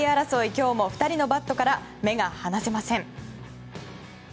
今日も２人のバットから目が離せません。